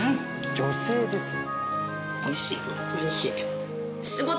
女性ですね。